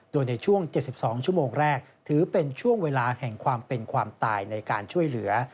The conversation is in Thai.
โดยในช่วง๗๒ชั่วโมงแรกถือเป็นช่วงเวลาแห่งความเป็นความตายในการช่วยเหลือ